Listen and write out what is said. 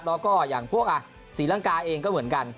แล้วก็อย่างพวกศรีลังกาเองก็เหมือนกัน